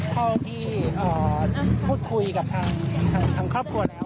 เท่าที่พูดคุยกับทางครอบครัวแล้ว